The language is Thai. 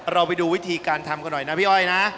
เราไปดูวิธีการทำกันหน่อยนะพี่อ้อยนะ